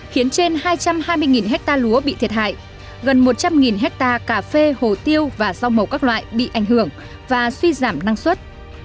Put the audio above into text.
khiến trên hai trăm hai mươi hectare lúa bị thiệt hại gần một trăm linh hectare cà phê hồ tiêu và rau màu các loại bị ảnh hưởng và suy giảm năng suất